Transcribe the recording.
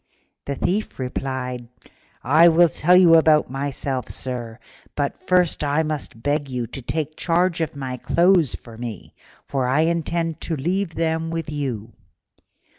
The Thief replied, "I will tell you about myself, sir, but first I must beg you to take charge of my clothes for me, for I intend to leave them with you.